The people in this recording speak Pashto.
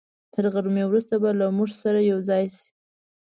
تر غرمې وروسته به له موږ سره یوځای شي.